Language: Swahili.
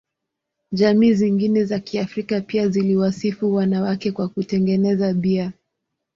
Jamii zingine za Kiafrika pia ziliwasifu wanawake kwa kutengeneza bia.